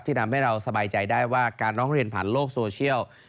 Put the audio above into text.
ทำให้เราสบายใจได้ว่าการร้องเรียนผ่านโลกโซเชียล